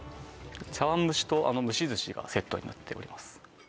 茶碗蒸しと蒸し寿司がセットになっております